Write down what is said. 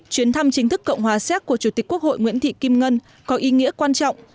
chuyến thăm chính thức cộng hòa séc của chủ tịch quốc hội nguyễn thị kim ngân có ý nghĩa quan trọng